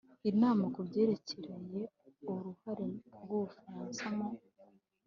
inama ku byerekeye «uruhare rw'u bufaransa mu